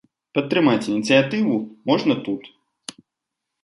Падтрымаць ініцыятыву можна тут.